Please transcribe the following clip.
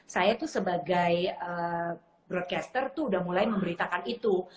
saya tuh sebagai broadcaster tuh udah mulai memberitakan itu